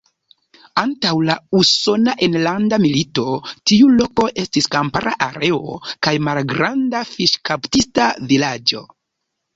Antaŭ la Usona Enlanda Milito tiu loko estis kampara areo kaj malgranda fiŝkaptista vilaĝo.